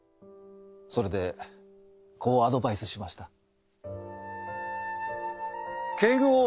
それでこうアドバイスしました。